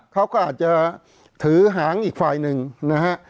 เขาก็อาจจะถือหางอีกฝ่ายหนึ่งนะฮะ